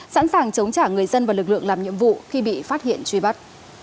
sẵn sàng chống trả người dân và lực lượng làm nhiệm vụ khi bị phát hiện truy bắt